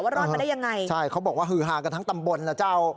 รอดมาได้ยังไงใช่เขาบอกว่าฮือฮากันทั้งตำบลนะเจ้า